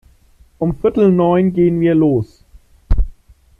Um viertel neun gehen wir los.